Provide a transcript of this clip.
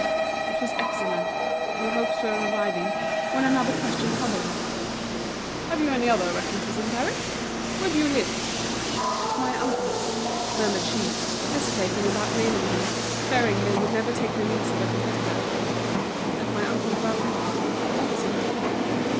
It was excellent. Her hopes were reviving, when another question troubled her. "Have you any other references in Paris? Where do you live?" "At my uncle's," murmured she, hesitating about naming him, fearing they would never take the niece of a competitor. "At my uncle Baudu's, opposite."